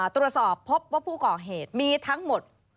ตรวจสอบพบว่าผู้ก่อเหตุมีทั้งหมด